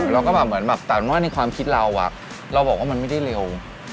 แล้วก็แบบในความคิดเราเราบอกว่ามันไม่ได้เร็ว